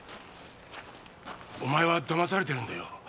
お前は騙されてるんだよ。